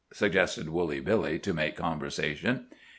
suggested Woolly Billy, to make conversation.